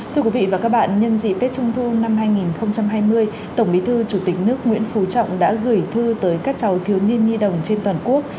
thưa quý vị và các bạn nhân dịp tết trung thu năm hai nghìn hai mươi tổng bí thư chủ tịch nước nguyễn phú trọng đã gửi thư tới các cháu thiếu niên nhi đồng trên toàn quốc